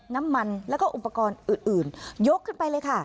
น้ำมันแล้วก็อุปกรณ์อื่นยกขึ้นไปเลยค่ะ